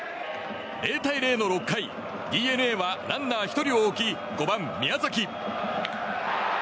０対０の６回ＤｅＮＡはランナー１人を置き５番、宮崎。